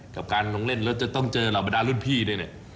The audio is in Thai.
กับการลงเล่นแล้วจะต้องเจอเหล่าบรรดารุ่นพี่ด้วยเนี่ย